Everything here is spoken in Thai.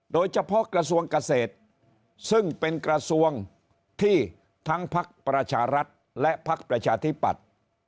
โดยเฉพาะกระทรวงเกษตรซึ่งเป็นกระทรวงที่ทั้งพักประชารัฐและพักประชาธิปัตย์